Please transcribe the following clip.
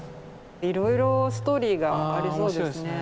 いろいろストーリーがありそうですね。